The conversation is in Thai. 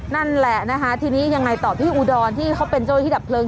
นั่นแหละนะคะทีนี้ยังไงต่อพี่อูดอนที่เขาเป็นโจรที่ดับเพลิง